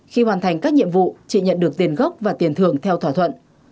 khi hoàn thành các nhiệm vụ chị nhận được tiền gốc và tiền thưởng theo thỏa thuận